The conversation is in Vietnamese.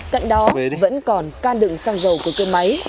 cận đó vẫn còn can đựng xăng dầu của cơ máy